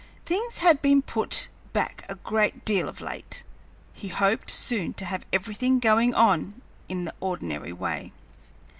Things had been put back a great deal of late. He hoped soon to have everything going on in the ordinary way.